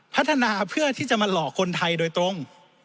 พัฒนาเพื่อที่จะมาหลอกคนไทยโดยตรง